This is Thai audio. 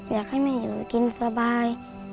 อยากให้แม่อยู่กินสบาย